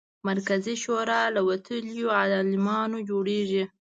مرکزي شورا له وتلیو عالمانو جوړېږي.